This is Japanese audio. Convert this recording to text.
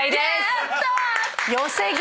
やった！